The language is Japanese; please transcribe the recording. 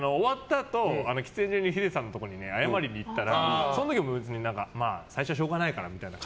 あと喫煙所のヒデさんのところに謝りに行ったら、その時も別に最初はしょうがないからって。